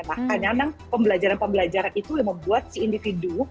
nah hanya pembelajaran pembelajaran itu yang membuat si individu